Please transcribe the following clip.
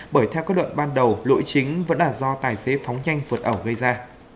bởi theo các đoạn ban đầu lỗi chính vẫn là do tài xế phóng nhanh vượt ẩu gây ra